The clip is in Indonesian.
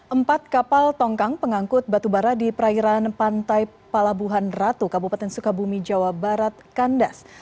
empat kapal tongkang pengangkut batu bara di perairan pantai palabuhan ratu kabupaten sukabumi jawa barat kandas